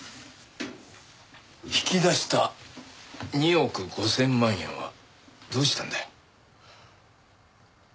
引き出した２億５０００万円はどうしたんだよ？